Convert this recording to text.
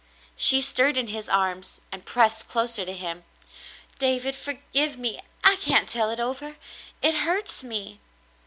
She stirred in his arms, and pressed closer to him. "David — forgive me — I can't tell it over — it hurts me."